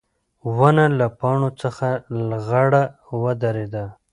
ونه له پاڼو څخه لغړه ودرېده.